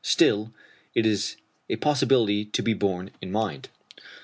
Still, it is a possibility to be borne in mind.